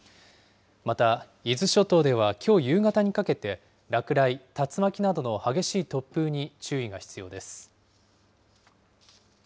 また、伊豆諸島ではきょう夕方にかけて、落雷、竜巻などの激しい突風に注意が必要です。